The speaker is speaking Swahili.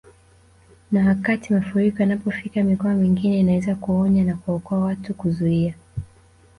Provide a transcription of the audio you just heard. Na wakati mafuriko yanapofika mikoa mingine inaweza kuonya na kuwaokoa watu kuzuia